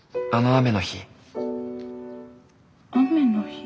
雨の日？